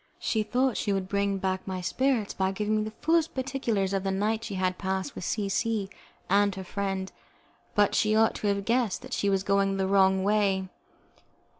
She thought she would bring back my spirits by giving me the fullest particulars of the night she had passed with C C and her friend, but she ought to have guessed that she was going the wrong way.